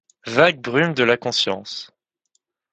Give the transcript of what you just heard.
Vagues brumes de la conscience.